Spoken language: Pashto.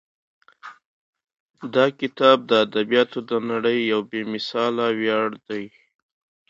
دا کتاب د ادبیاتو د نړۍ یو بې مثاله ویاړ دی.